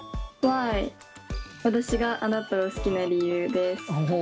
私があなたを『好き』な理由」です。